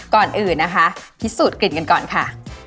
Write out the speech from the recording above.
ก่อนอื่นนะคะพิสูจนกลิ่นกันก่อนค่ะ